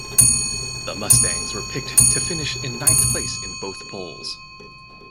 The Mustangs were picked to finish in ninth place in both polls.